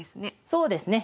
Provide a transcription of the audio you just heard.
そうですね。